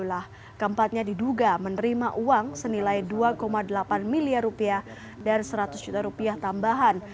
ketiga keempatnya diberikan uang yang menerima uang senilai rp dua delapan miliar dan rp seratus juta tambahan